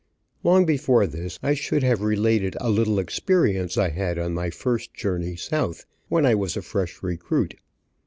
Long before this I should have related a little experience I had on my first journey south, when I was a fresh recruit.